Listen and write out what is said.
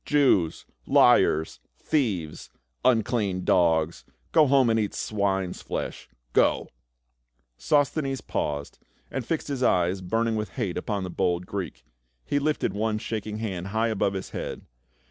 "Jews — liars — thieves — unclean dogs ! Go home and eat swine's flesh — Go !" Sosthenes paused, and fi.xed his eyes burning with hate upon the bold Greek ; he lifted one shaking hand 352 PA UL. high above his head.